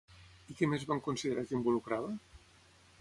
I què més van considerar que involucrava?